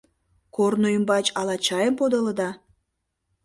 Корно ӱмбач ала чайым подылыда?